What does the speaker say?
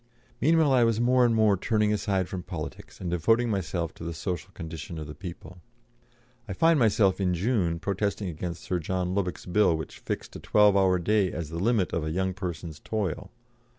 Meanwhile I was more and more turning aside from politics and devoting myself to the social condition of the people I find myself, in June, protesting against Sir John Lubbock's Bill which fixed a twelve hour day as the limit of a "young person's" toil.